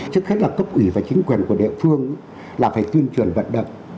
trước hết là cấp ủy và chính quyền của địa phương là phải tuyên truyền vận động